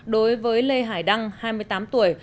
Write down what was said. đối với lê hải đăng hai mươi tám tuổi